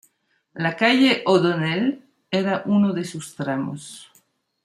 La calle O'Donnell era uno de sus tramos.